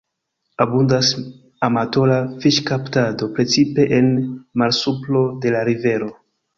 Abundas amatora fiŝkaptado, precipe en malsupro de la rivero.